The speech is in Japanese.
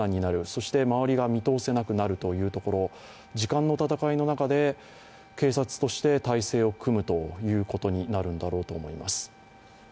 そして、周りが見通せなくなるというところ時間の戦いの中で警察として態勢を組むことになるんだろうと思います。